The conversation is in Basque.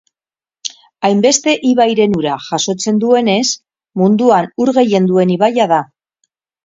Hainbeste ibairen ura jasotzen duenez, munduan ur gehien duen ibaia da.